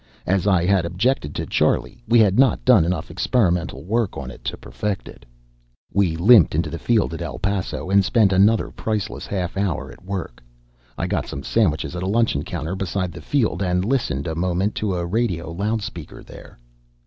As I had objected to Charlie, we had not done enough experimental work on it to perfect it. We limped into the field at El Paso and spent another priceless half hour at work. I got some sandwiches at a luncheon counter beside the field, and listened a moment to a radio loudspeaker there.